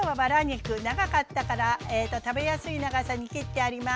長かったから食べやすい長さに切ってあります。